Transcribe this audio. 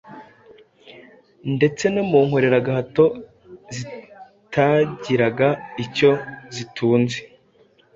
ndetse no mu nkoreragahato zitagiraga icyo zitunze